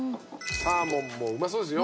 サーモンもうまそうですよ。